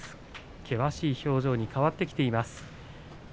険しい表情に変わってきています。